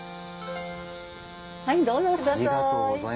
はいどうぞ。